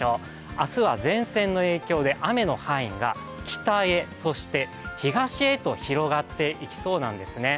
明日は前線の影響で雨の範囲が北へそして東へと広がっていきそうなんですね。